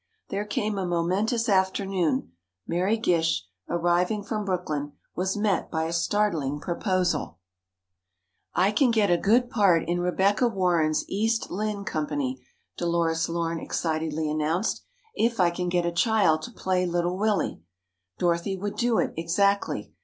There came a momentous afternoon. Mary Gish, arriving from Brooklyn, was met by a startling proposal: "I can get a good part in Rebecca Warren's 'East Lynne' Company," Dolores Lorne excitedly announced, "if I can get a child to play 'Little Willie.' Dorothy would do it, exactly.